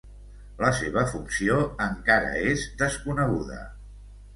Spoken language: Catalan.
La seva funció encara és desconeguda.